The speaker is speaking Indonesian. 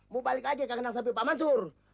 mau balik aja ke genang sapi pak mansur